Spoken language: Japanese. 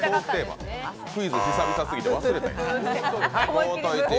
クイズ、久々すぎて忘れたんや。